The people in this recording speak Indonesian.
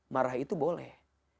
marah itu boleh